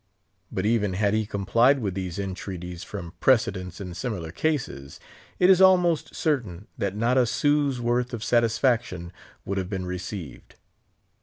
But even had he complied with these entreaties, from precedents in similar cases, it is almost certain that not a sou's worth of satisfaction would have been received.